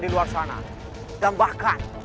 di luar sana dan bahkan